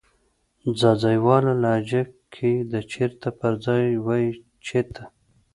ځاځيواله لهجه کې د "چیرته" پر ځای وایې "چیته"